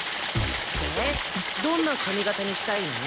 でどんな髪型にしたいの？